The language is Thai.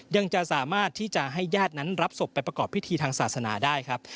ยังจะสามารถที่จะให้ญาตินั้นรับศพไปประกอบพิธีทางศาสนาได้ครับ